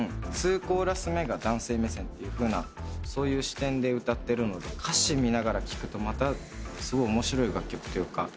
２コーラス目が男性目線というそういう視点で歌ってるので歌詞見ながら聴くとまたすごい面白い楽曲というか。